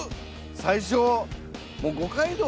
最初。